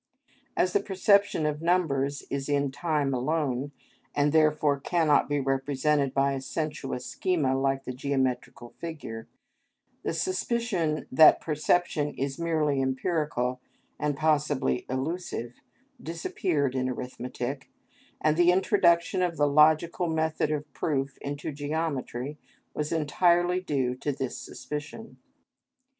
As the perception of numbers is in time alone, and therefore cannot be represented by a sensuous schema like the geometrical figure, the suspicion that perception is merely empirical, and possibly illusive, disappeared in arithmetic, and the introduction of the logical method of proof into geometry was entirely due to this suspicion.